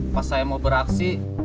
pas saya mau beraksi